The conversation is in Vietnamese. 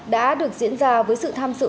đã được diễn ra với sự tham sự